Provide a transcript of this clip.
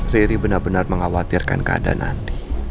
riri benar benar mengkhawatirkan keadaan